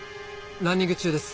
ランニング中です。